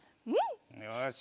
よし。